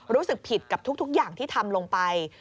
รู้สึกผิดกับทุกอย่างที่ทำลงไป